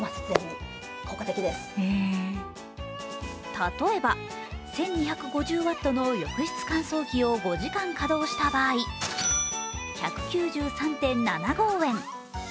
例えば１２５０Ｗの浴室乾燥機を５時間稼働した場合、１９３．７５円。